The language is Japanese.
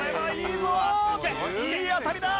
いい当たりだ！